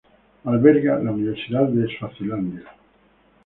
Alberga la Universidad de Suazilandia.